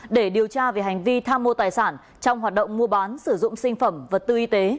để điều tra về hành vi tham mô tài sản trong hoạt động mua bán sử dụng sinh phẩm vật tư y tế